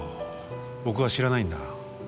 僕は知らないんだ。